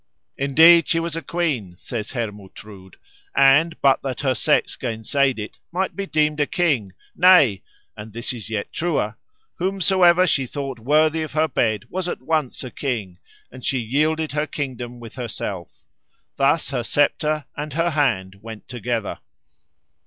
"Indeed she was a queen," says Hermutrude, "and but that her sex gainsaid it, might be deemed a king; nay (and this is yet truer), whomsoever she thought worthy of her bed was at once a king, and she yielded her kingdom with herself. Thus her sceptre and her hand went together."